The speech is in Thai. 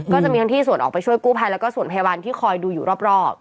ก็จะมีทั้งที่ส่วนออกไปช่วยกู้ภัยแล้วก็ส่วนพยาบาลที่คอยดูอยู่รอบ